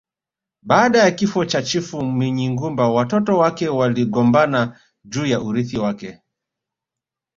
Baada ya kifo cha chifu Munyigumba watoto wake waligombana juu ya urithi wake